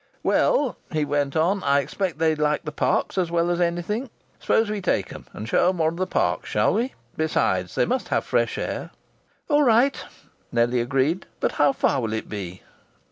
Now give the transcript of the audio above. "Well," he went on, "I expect they'd like the parks as well as anything. Suppose we take 'em and show 'em one of the parks? Shall we? Besides, they must have fresh air." "All right," Nellie agreed. "But how far will it be?"